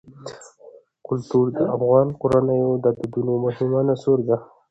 کلتور د افغان کورنیو د دودونو مهم عنصر دی.